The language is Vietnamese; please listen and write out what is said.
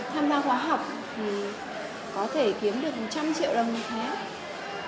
tham gia khóa học thì có thể kiếm được một trăm linh triệu đồng một tháng